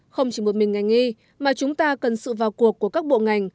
không chỉ một mình ngành nghi mà chúng ta cần sự vào cuộc của các bộ ngành